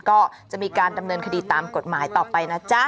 ก็จะมีการดำเนินคดีตามกฎหมายต่อไปนะจ๊ะ